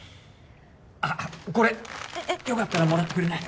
あっこれよかったらもらってくれない？